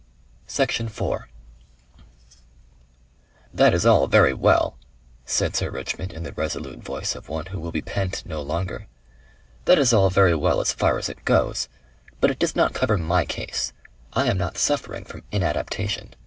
Section 4 "That is all very well," said Sir Richmond in the resolute voice of one who will be pent no longer. "That is all very well as far as it goes. But it does not cover my case. I am not suffering from inadaptation.